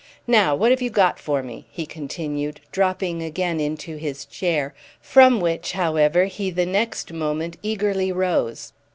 Now what have you got for me?" he continued, dropping again into his chair, from which, however, he the next moment eagerly rose.